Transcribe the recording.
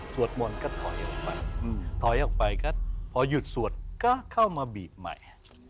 มนต์ก็ถอยออกไปถอยออกไปก็พอหยุดสวดก็เข้ามาบีบใหม่